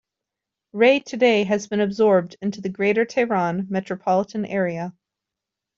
Ray today has been absorbed into the Greater Tehran metropolitan area.